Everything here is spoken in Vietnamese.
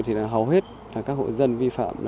thì hầu hết các hội dân vi phạm